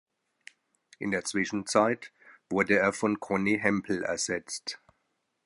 In der Zwischenzeit wurde er von "Konny Hempel" ersetzt.